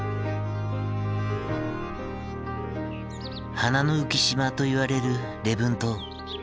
“花の浮島”といわれる礼文島。